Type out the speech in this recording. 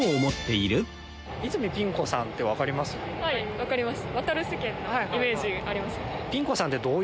はい分かります。